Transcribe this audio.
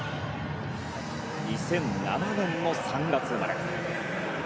２００７年の３月生まれ。